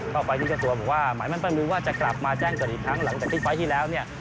ก็ไฟล์ทีพี่ตัวมาว่าหมายจ้างมั้ยฝ่ายมือว่าจะกลับมาแจ้งกระโดดอีกทั้งหลังจากพลิกไฟล์ที่แล้วเนี่ย